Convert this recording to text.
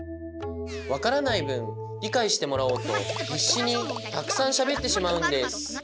わからないぶんりかいしてもらおうとひっしにたくさんしゃべってしまうんです。